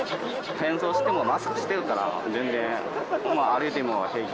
変装してもマスクしてるから、全然、歩いても平気。